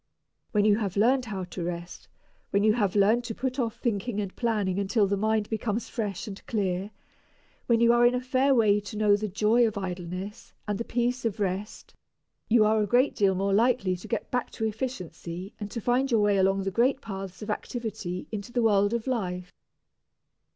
When you have learned how to rest, when you have learned to put off thinking and planning until the mind becomes fresh and clear, when you are in a fair way to know the joy of idleness and the peace of rest, you are a great deal more likely to get back to efficiency and to find your way along the great paths of activity into the world of life.